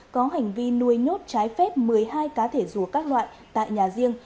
có hành vi nuôi nhốt trái phép một mươi hai cá thể rùa các loại tại nhà riêng